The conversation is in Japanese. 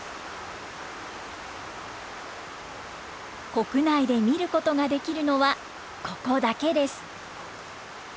国内で見ることができるのはここだけです。